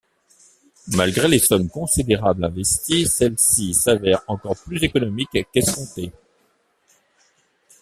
Malgré les sommes considérables investies, celle-ci s'avère encore plus économique qu'escompté.